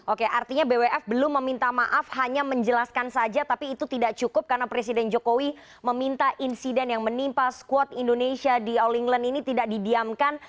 oke artinya bwf belum meminta maaf hanya menjelaskan saja tapi itu tidak cukup karena presiden jokowi meminta insiden yang menimpa squad indonesia di all england ini tidak didiamkan